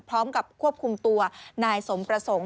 พร้อมกับควบคุมตัวนายสมประสงค์